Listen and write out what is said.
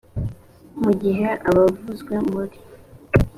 mu gihe abavuzwe muri